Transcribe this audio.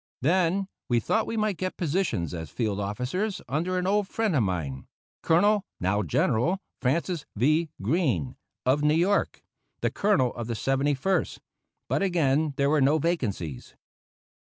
Then we thought we might get positions as field officers under an old friend of mine, Colonel now General Francis V. Greene, of New York, the Colonel of the Seventy first; but again there were no vacancies.